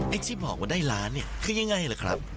ที่บอกว่าได้ล้านเนี่ยคือยังไงล่ะครับ